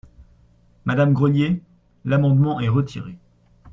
Madame Grelier ? L’amendement est retiré.